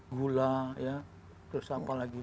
gula terus apa lagi